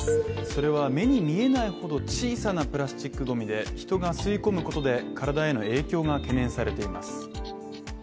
それは目に見えないほど小さなプラスチックゴミで人が吸い込むことで、体への影響が懸念されています。